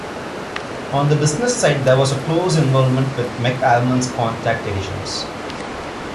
On the business side there was a close involvement with McAlmon's Contact Editions.